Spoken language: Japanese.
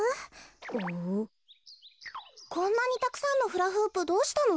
こんなにたくさんのフラフープどうしたの？